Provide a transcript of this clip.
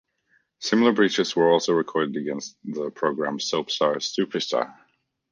Similar breaches were also recorded against the programme "Soapstar Superstar".